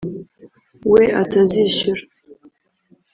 we atazishyura